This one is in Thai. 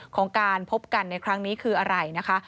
ของการพบกันในครั้งนี้คืออะไรนะคะ